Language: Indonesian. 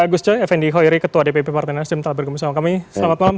gus choi effendi hoyori ketua dpp parteners jemta berkembang selamat malam